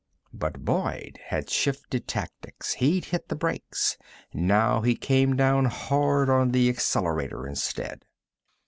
But Boyd had shifted tactics. He'd hit the brakes. Now he came down hard on the accelerator instead.